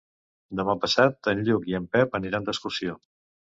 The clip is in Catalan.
Demà passat en Lluc i en Pep aniran d'excursió.